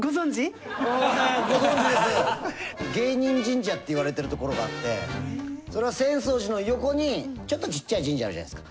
芸人神社っていわれてるところがあってそれは浅草寺の横にちょっとちっちゃい神社あるじゃないですか。